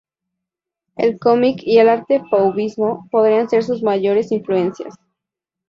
El cómic y el arte fauvismo podrían ser sus mayores influencias.